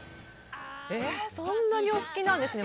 そんなにお好きなんですね。